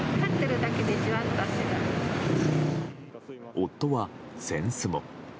夫は、扇子も。